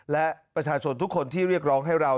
และประชาชนทุกคนที่เรียกร้องให้เรา